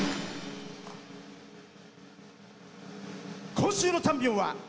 今週のチャンピオンは。